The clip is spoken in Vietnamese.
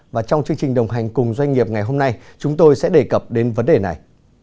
và trong chương trình đồng hành cùng doanh nghiệp ngày hôm nay chúng tôi sẽ đề cập đến vấn đề này